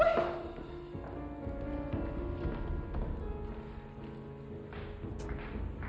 ini tinggal aja untuk taksip kok